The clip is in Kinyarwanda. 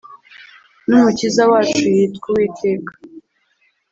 N’umukiza wacu - yitw’uwiteka.